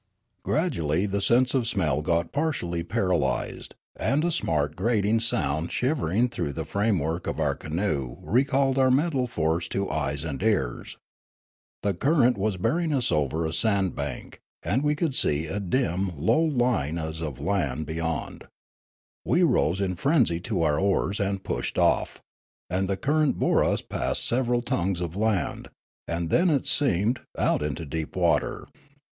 Graduall} the sense of smell got partially paralysed, and a smart grating sound shivering through the frame work of our canoe recalled our mental force to eyes and ears. The current was bearing us over a sand bank, and we could see a dim, low line as of land beyond. We rose in frenzy to our oars, and pushed off ; and the current bore us past several tongues of land, and then, it seemed, out into deep water.